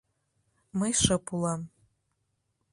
Мый шып улам.